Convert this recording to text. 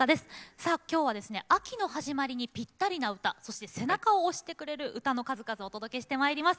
さて、今夜は秋の始まりにぴったりな歌背中を押してくれる歌の数々お届けしてまいります。